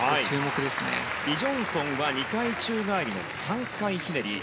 リ・ジョンソンは２回宙返りの３回ひねり。